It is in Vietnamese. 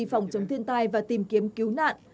phòng chống thiên tai và tìm kiếm cứu nạn